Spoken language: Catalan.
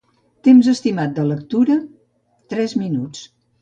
Temps estimat de lectura: tres minuts.